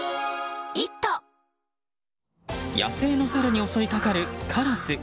野生のサルに襲いかかるカラス。